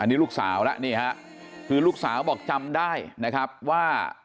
อันนี้ลูกสาวแล้วลูกสาวบอกจำได้นะครับว่า